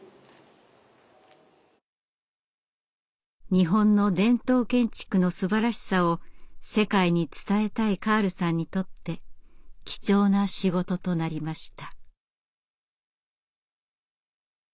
日本の伝統建築のすばらしさを世界に伝えたいカールさんにとって貴重な仕事となりました。